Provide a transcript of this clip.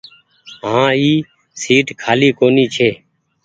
هآن اي سيٽ کآلي ڪونيٚ ڇي۔